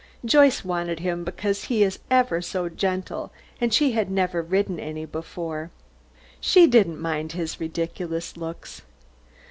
Joyce wanted him because he is so gentle, and she had never ridden any before. She didn't mind his ridiculous looks.